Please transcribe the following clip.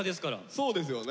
そうですよね。